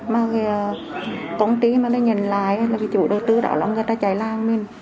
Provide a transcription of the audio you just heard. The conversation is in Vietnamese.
mà công ty mà nó nhận lại là chủ đầu tư đó là người ta cháy lang mình